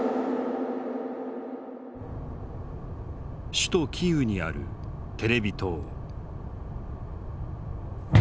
首都キーウにあるテレビ塔。